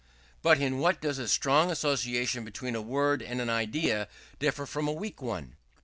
But in what does a strong association between a word and an idea differ from a weak one?